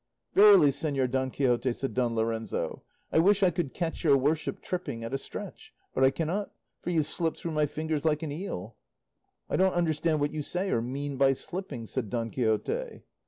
"Verily, Señor Don Quixote," said Don Lorenzo, "I wish I could catch your worship tripping at a stretch, but I cannot, for you slip through my fingers like an eel." "I don't understand what you say, or mean by slipping," said Don Quixote.